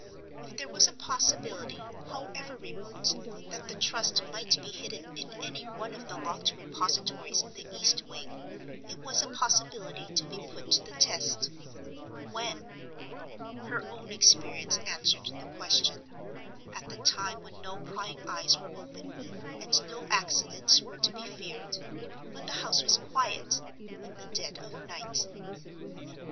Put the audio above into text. If there was a possibility, however remote, that the Trust might be hidden in any one of the locked repositories in the east wing, it was a possibility to be put to the test. When? Her own experience answered the question. At the time when no prying eyes were open, and no accidents were to be feared—when the house was quiet—in the dead of night.